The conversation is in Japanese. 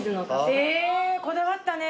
えこだわったね。